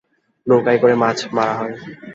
নৌকায় করে মাছ মারা হবে।